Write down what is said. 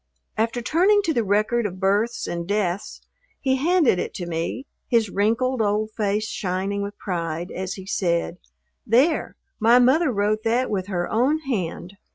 After turning to the record of births and deaths he handed it to me, his wrinkled old face shining with pride as he said, "There, my mother wrote that with her own hand."